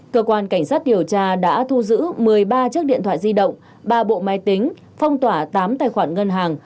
cơ quan cảnh sát điều tra đã thu giữ một mươi ba chiếc điện thoại di động ba bộ máy tính phong tỏa tám tài khoản ngân hàng